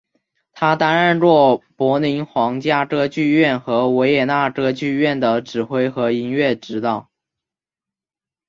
他担任过柏林皇家歌剧院和维也纳歌剧院的指挥和音乐指导。